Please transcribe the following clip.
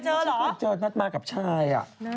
อ๋อฉันเหมือนเคยเจอนัดมากับชาย